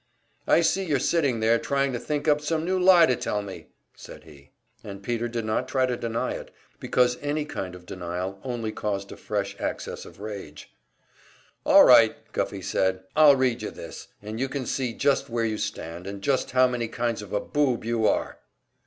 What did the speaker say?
"I see you're sitting there, trying to think up some new lie to tell me," said he. And Peter did not try to deny it, because any kind of denial only caused a fresh access of rage. "All right," Guffey said, "I'll read you this, and you can see just where you stand, and just how many kinds of a boob you are."